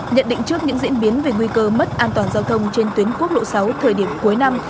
nhận định trước những diễn biến về nguy cơ mất an toàn giao thông trên tuyến quốc lộ sáu thời điểm cuối năm